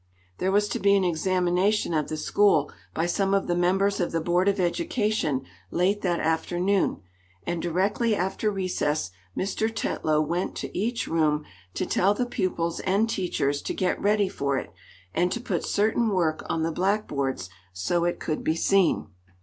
There was to be an examination of the school by some of the members of the Board of Education late that afternoon, and, directly after recess, Mr. Tetlow went to each room to tell the pupils and teachers to get ready for it, and to put certain work on the blackboards, so it could be seen.